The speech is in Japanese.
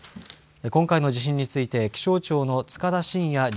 今回の地震について、気象庁の束田進也